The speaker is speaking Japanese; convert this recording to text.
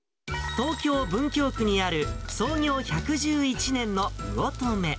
東京・文京区にある創業１１１年の魚留。